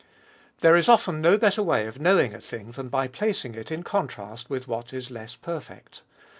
There is often no better way of knowing a thing than by placing it in contrast with what is less perfect.